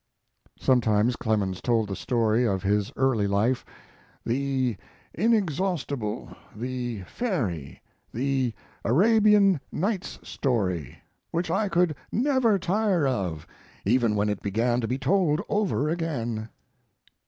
Sometimes Clemens told the story of his early life, "the inexhaustible, the fairy, the Arabian Nights story, which I could never tire of even when it began to be told over again."